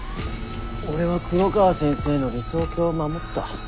俺は黒川先生の理想郷を守った。